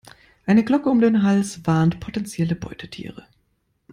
Eine Glocke um den Hals warnt potenzielle Beutetiere.